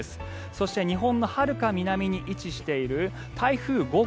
そして日本のはるか南に位置している台風５号。